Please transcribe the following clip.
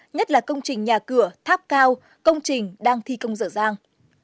nhất là công trình nhà cửa tháp cao công trình đang thi công dở dàng